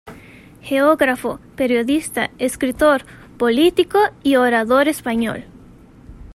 Geógrafo, periodista, escritor, político y orador español.